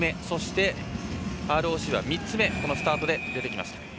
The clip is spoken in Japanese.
そして、ＲＯＣは３つ目スタートで出てきました。